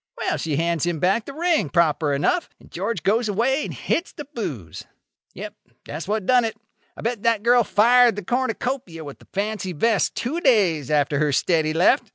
Well, she hands him back the ring, proper enough; and George goes away and hits the booze. Yep. That's what done it. I bet that girl fired the cornucopia with the fancy vest two days after her steady left.